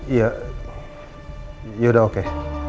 iya yaudah oke